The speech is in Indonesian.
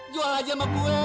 jual aja sama gue